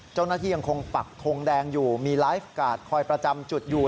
ยังคงปักทงแดงอยู่มีไลฟ์การ์ดคอยประจำจุดอยู่